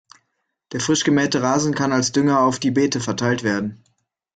Der frisch gemähte Rasen kann als Dünger auf die Beete verteilt werden.